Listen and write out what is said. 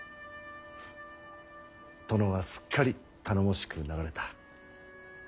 殿はすっかり頼もしくなられた。